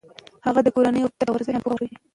هغه د کورنۍ غړو ته د ورزش اهمیت پوهه ورکوي.